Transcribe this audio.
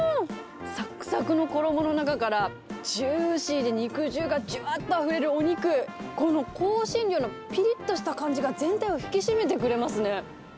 さくさくの衣の中から、ジューシーで肉汁がじゅわっとあふれるお肉、この香辛料のぴりっとした感じが全体を引き締めてくれますね。